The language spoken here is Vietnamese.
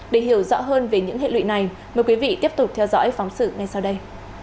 để hiểu rõ hơn về những hệ lụy này mời quý vị tiếp tục theo dõi phóng sự ngay sau đây